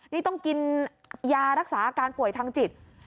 นี่ต้องกินยารักษาอาการป่วยทางจิต